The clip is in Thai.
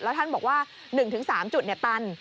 แล้วท่านบอกว่า๑๓จุดตัน